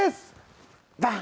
バン！